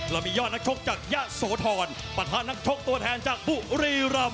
เรามียอดนักชกจากยะโสธรประธานนักชกตัวแทนจากบุรีรำ